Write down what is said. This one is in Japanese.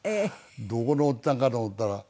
どこのおっちゃんかと思ったら。